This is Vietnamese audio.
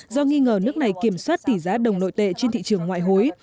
do nghi ngờ nước này kiểm soát tỷ giá đồng nội tệ trên thị trường ngoại hối